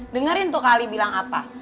dengarin tuh kak ali bilang apa